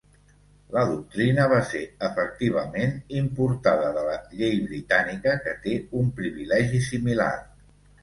La doctrina va ser efectivament importada de la llei britànica que té un privilegi similar.